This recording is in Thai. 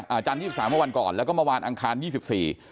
อาจารยี่สิบสามเมื่อวันก่อนแล้วก็เมื่อวานอังคารยี่สิบสี่